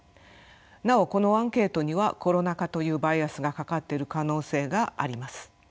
なおこのアンケートにはコロナ禍というバイアスがかかっている可能性があります。